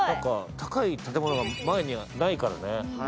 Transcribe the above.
高い建物が前にないからね。